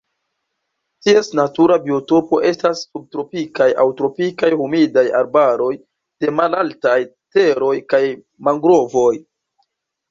Ties natura biotopo estas subtropikaj aŭ tropikaj humidaj arbaroj de malaltaj teroj kaj mangrovoj.